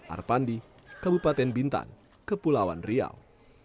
arpandi kabupaten bintan kepulauan riau